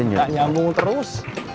kamu jangan ganggu terus